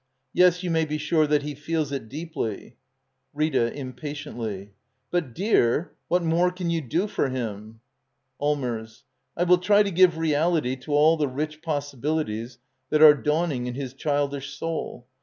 Yes, you may be sure that he feels it deeply. Rita. [Impatiently.] But, dear — what more can you do for him? Allmers. I will try to give reality to all the rich possibilities that are dawning in his childish soul.